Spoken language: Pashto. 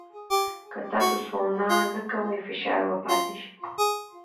که تاسو سونا نه کوئ، فشار به پاتې شي.